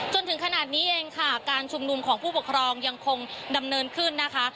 จนถึงขนาดนี้เองค่ะการชุมนุมของผู้ปกครองยังคงดำเนินขึ้นนะคะ